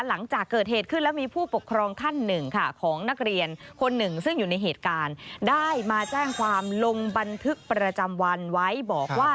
หลังจากเกิดเหตุขึ้นแล้วมีผู้ปกครองท่านหนึ่งค่ะของนักเรียนคนหนึ่งซึ่งอยู่ในเหตุการณ์ได้มาแจ้งความลงบันทึกประจำวันไว้บอกว่า